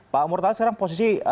pak murtala sekarang posisi apa